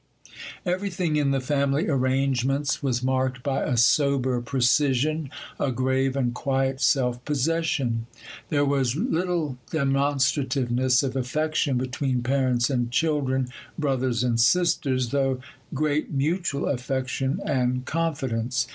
Everything in the family arrangements was marked by a sober precision, a grave and quiet self possession. There was little demonstrativeness of affection between parents and children, brothers and sisters, though great mutual affection and confidence.